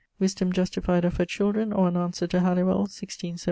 Wisdom justified of her children, or an answer to Hallywell, 1673, 8vo large.